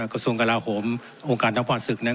กระทรวงกราโฮมองค์การต่อข้อถามภาคศึกนั้น